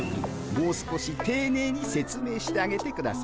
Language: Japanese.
もう少していねいに説明してあげてください。